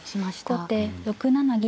後手６七銀。